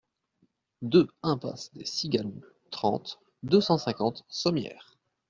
deux impasse des Cigalons, trente, deux cent cinquante, Sommières